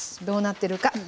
どうなってるか。